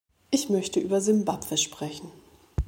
Ich möchte über Simbabwe sprechen.